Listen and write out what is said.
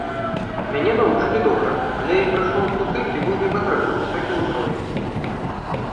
Мяне навучылі добра, але я прыйшоў туды, дзе быў не патрэбны высокі ўзровень.